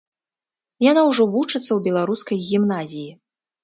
Яна ўжо вучыцца ў беларускай гімназіі.